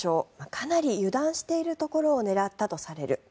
かなり油断しているところを狙ったとされる。